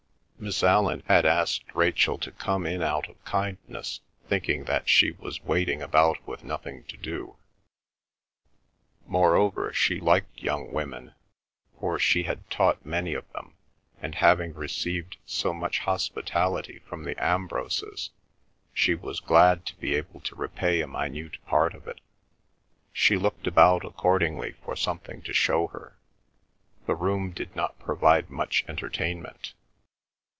Miss Allan had asked Rachel to come in out of kindness, thinking that she was waiting about with nothing to do. Moreover, she liked young women, for she had taught many of them, and having received so much hospitality from the Ambroses she was glad to be able to repay a minute part of it. She looked about accordingly for something to show her. The room did not provide much entertainment.